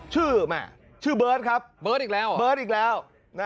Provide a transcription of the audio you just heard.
ชื่อมาชื่อเบิร์ตครับเบิร์ตอีกแล้ว